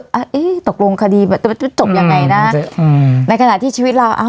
อั๊ะอีตกลงคดีแต่มันจะจบยังไงนะอืมในขณะที่ชีวิตเราเอ้า